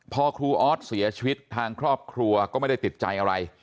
พอครูออสเสียชีวิตทางครอบครัวก็ไม่ได้ติดใจอะไร